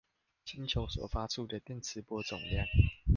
星球所發出的電磁波總量